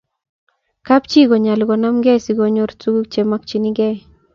kap chii konyalu konamgei sikonyor tuguk che makchin gei